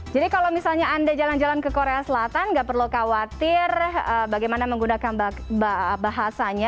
jadi kalau misalnya anda jalan jalan ke korea selatan nggak perlu khawatir bagaimana menggunakan bahasanya